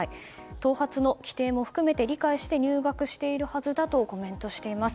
頭髪の規定も含めて理解して入学しているはずだとコメントしています。